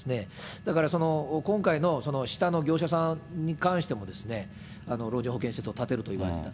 だからその今回の下の業者さんに関しても、老人保健施設を建てると言われていた。